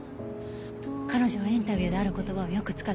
彼女はインタビューである言葉をよく使っていたわ。